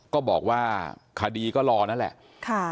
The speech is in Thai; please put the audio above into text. ก็บอกว่าคดีก็รอนั่นแหละ